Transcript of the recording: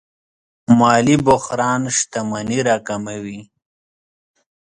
مالي بحران شتمني راکموي.